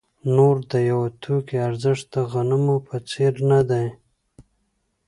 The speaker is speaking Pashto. نور د یوه توکي ارزښت د غنمو په څېر نه دی